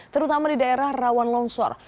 terutama di daerah rawan longsor